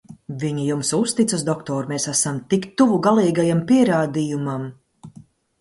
Viņi jums uzticas, doktor, mēs esam tik tuvu galīgajam pierādījumam!